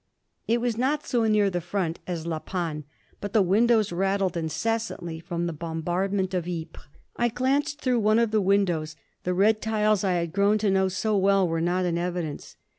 It was not so near the front as La Panne, but the windows rattled incessantly from the bombardment of Ypres. I glanced through one of the windows. The red tiles I had grown to know so well were not in evidence.